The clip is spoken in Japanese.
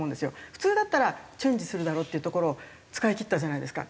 普通だったらチェンジするだろっていうところを使いきったじゃないですか。